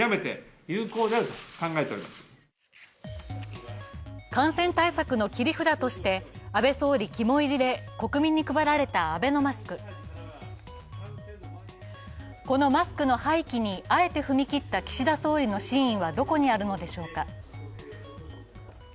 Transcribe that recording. このマスクの廃棄にあえて踏み切った岸田総理の真意はどこにあるのでしょうか。